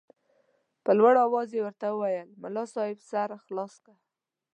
په لوړ اواز یې ورته وویل ملا صاحب سر خلاص که.